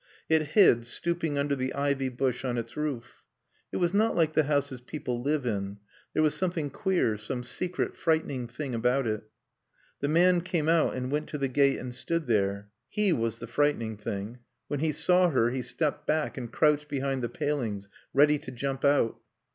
It hid, stooping under the ivy bush on its roof. It was not like the houses people live in; there was something queer, some secret, frightening thing about it. The man came out and went to the gate and stood there. He was the frightening thing. When he saw her he stepped back and crouched behind the palings, ready to jump out.